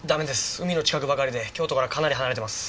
海の近くばかりで京都からはかなり離れてます。